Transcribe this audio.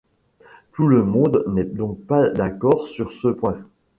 Tout le monde n'est donc pas d'accord sur ce point.